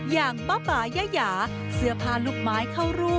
อย่างบ้ายาเสือพาลูกไม้เข้ารู